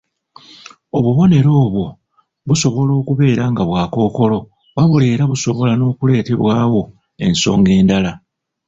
Obubonero obwo busobola okubeera nga bwa kookolo wabula era busobola n'okuleetebwawo ensonga endala